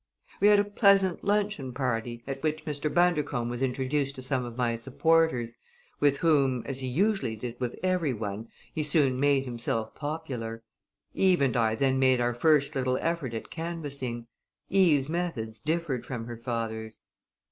We had a pleasant luncheon party, at which Mr. Bundercombe was introduced to some of my supporters, with whom as he usually did with every one he soon made himself popular. Eve and I then made our first little effort at canvassing. Eve's methods differed from her father's.